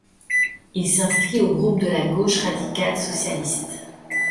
Il s'inscrit au groupe de la gauche radicale socialiste.